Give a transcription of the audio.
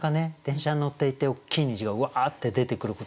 電車に乗っていて大きい虹がうわって出てくること